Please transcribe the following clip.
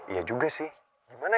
iya juga sih gimana